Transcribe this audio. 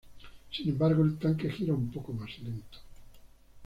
Sin embargo, el tanque gira un poco más lento.